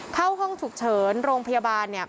เข้าห้องถูกเฉินโรงพยาบาล